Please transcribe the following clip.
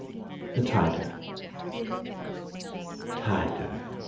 THE TIGER. Tiger!